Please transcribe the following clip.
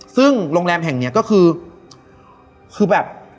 ซึ่งโรงแรมแห่งนี้ก็คือคือแบบ